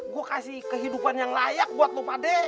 gue kasih kehidupan yang layak buat lo pade